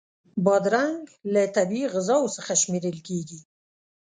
بادرنګ له طبعی غذاوو څخه شمېرل کېږي.